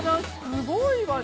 すごいわね。